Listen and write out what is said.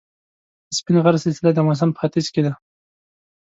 د سپین غر سلسله د افغانستان په ختیځ کې ده.